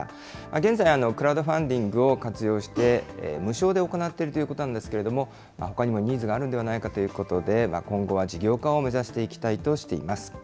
現在、クラウドファンディングを活用して、無償で行っているということなんですけれども、ほかにもニーズがあるのではないかということで、今後は事業化を目指していきたいとしています。